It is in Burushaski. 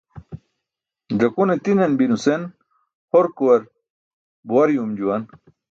"ẓakune ti̇nan bi" nusen horkuwar buwar yuum juwan.